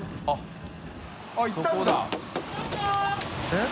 えっ？